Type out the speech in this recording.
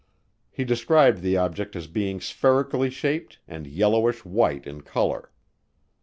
He described the object as being spherically shaped and yellowish white in color.